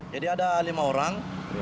jadi ada lima orang